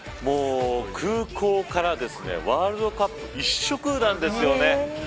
空港からワールドカップ一色なんですよね。